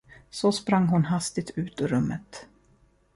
Så sprang hon hastigt ut ur rummet.